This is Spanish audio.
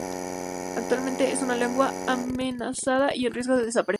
Actualmente, es una lengua amenazada y en riesgo de desaparecer.